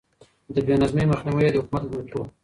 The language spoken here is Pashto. د بې نظمي مخنيوی يې د حکومت لومړيتوب و.